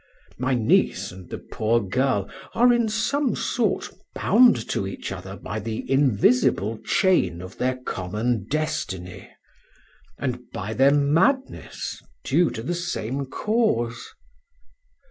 My niece and the poor girl are in some sort bound to each other by the invisible chain of their common destiny, and by their madness due to the same cause.